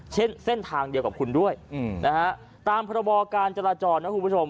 เส้นทางเดียวกับคุณด้วยนะฮะตามพระบอการจราจรนะคุณผู้ชม